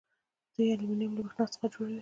دوی المونیم له بریښنا څخه جوړوي.